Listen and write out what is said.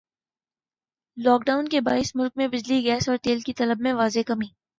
lock Dawn کے باعث ملک میں بجلی گیس اور تیل کی طلب میں واضح کمی